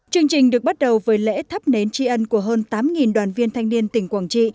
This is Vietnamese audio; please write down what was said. chương trình được bắt đầu với lễ thắp nến tri ân của hơn tám đoàn viên thanh niên tỉnh quảng trị